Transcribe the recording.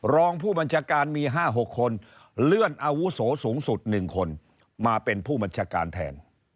รองผู้บัญชาการมี๕๖คนเลื่อนอาวุโสสูงสุด๑คนมาเป็นผู้บัญชาการแทน